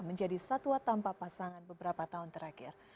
menjadi satwa tanpa pasangan beberapa tahun terakhir